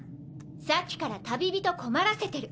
さっきから旅人困らせてる。